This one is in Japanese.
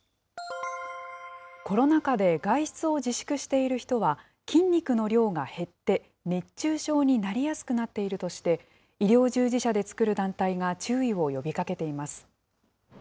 コロナ禍で外出を自粛している人は、筋肉の量が減って、熱中症になりやすくなっているとして、医療従事者で作る団体が注意を呼びかけています。